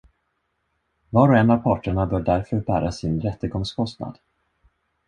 Var och en av parterna bör därför bära sin rättegångskostnad.